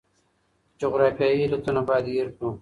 جغرافیایي علتونه باید هیر کړو.